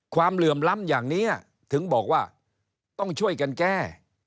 เหลื่อมล้ำอย่างนี้ถึงบอกว่าต้องช่วยกันแก้